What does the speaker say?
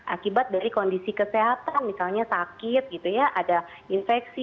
akibat dari kondisi kesehatan misalnya sakit ada infeksi